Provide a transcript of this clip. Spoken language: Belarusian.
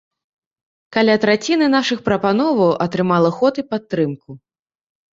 Каля траціны нашых прапановаў атрымала ход і падтрымку.